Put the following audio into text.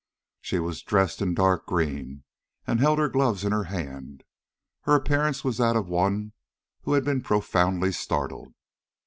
She was dressed in dark green, and held her gloves in her hand. Her appearance was that of one who had been profoundly startled.